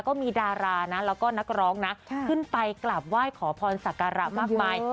ก็มีดารานะแล้วก็นักร้องนะขึ้นไปกราบไหว้ขอพรสักการะมากมาย